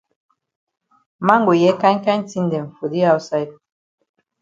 Man go hear kind kind tin dem for di outside.